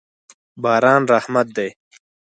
باران رحمت دی.